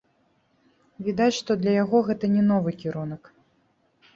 Відаць, што для яго гэта не новы кірунак.